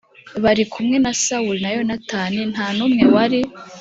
bari kumwe na Sawuli na Yonatani nta n umwe wari